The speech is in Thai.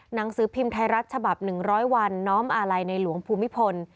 หนังสือพิมพ์ไทยรัฐฉบับ๑๐๐วันน้อมอาลัยในหลวงภูมิพล